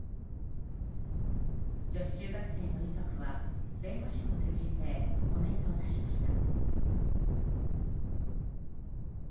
女子中学生の遺族は弁護士を通じてコメントを出しました。